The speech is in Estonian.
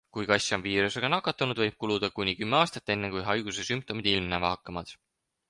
Kui kass on viirusega nakatunud, võib kuluda kuni kümme aastat, enne kui haiguse sümptomid ilmnema hakkavad.